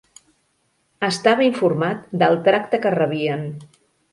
Estava informat del tracte que rebien.